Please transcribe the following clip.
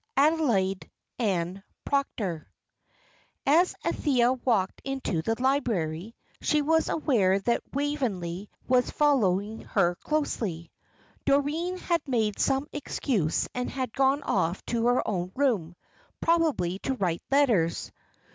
ADELAIDE ANNE PROCTER. As Althea walked into the library, she was aware that Waveney was following her closely. Doreen had made some excuse and had gone off to her own room, probably to write letters.